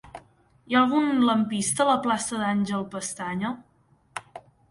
Hi ha algun lampista a la plaça d'Àngel Pestaña?